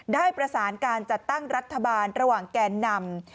ได้ประสานการจัดตั้งรัฐบาลระหว่างแกนนำ